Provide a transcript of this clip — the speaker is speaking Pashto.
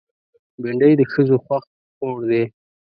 بېنډۍ د ښځو خوښ خوړ دی